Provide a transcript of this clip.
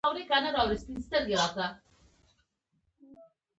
شېرمحمد ښيښې ته نوک ونيو.